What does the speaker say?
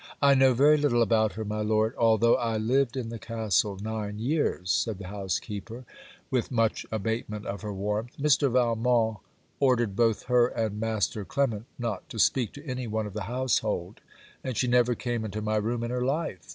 'I know very little about her, my Lord, although I lived in the castle nine years,' said the housekeeper, with much abatement of her warmth. 'Mr. Valmont ordered both her and Master Clement not to speak to any one of the household, and she never came into my room in her life.